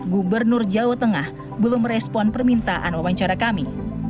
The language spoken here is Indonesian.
gubernur jawa tengah belum merespon permintaan wawancara kami